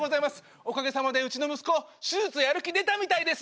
おかげさまでうちの息子手術やる気出たみたいです！